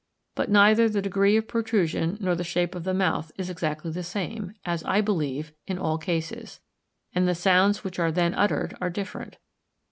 But neither the degree of protrusion nor the shape of the mouth is exactly the same, as I believe, in all cases; and the sounds which are then uttered are different.